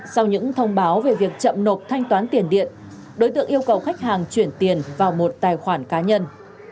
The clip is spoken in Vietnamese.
sau những thông báo về việc chậm nộp thanh toán tiền điện đối tượng yêu cầu khách hàng chuyển tiền vào một tài khoản cá nhân